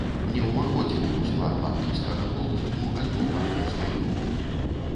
Не ўваходзіў у склад банкаўскага холдынгу, альбо банкаўскай групы.